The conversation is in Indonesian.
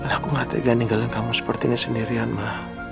aku gak tega ninggalin kamu seperti ini sendirian ma